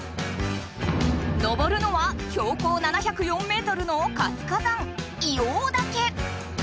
登るのは標高７０４メートルの活火山硫黄岳。